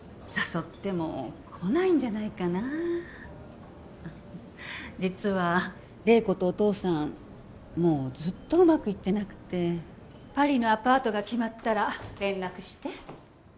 誘っても来ないんじゃないかな実は麗子とお父さんもうずっとうまくいってなくてパリのアパートが決まったら連絡して